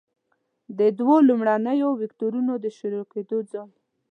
د دوو لومړنیو وکتورونو د شروع کیدو ځای.